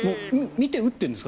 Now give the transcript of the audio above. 見て打ってるんですか？